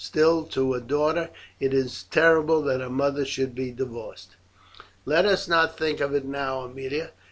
Still, to a daughter it is terrible that her mother should be divorced." "Let us not think of it now, Aemilia.